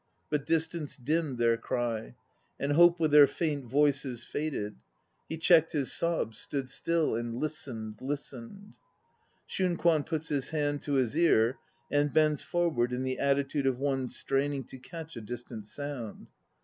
But distance dimmed their cry, And hope with their faint voices faded. He checked his sobs, stood still and listened, listened (SHUNKWAN puts his hand to his ear and bends forward in the attitude of one straining to catch a distant sound.)